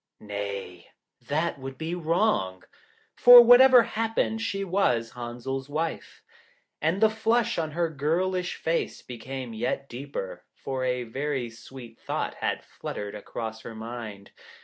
Nay that would be wrong, for whatever happened she was Henzel's wife. And the flush on her girlish face became yet deeper, for a very sweet thought had fluttered across her mind.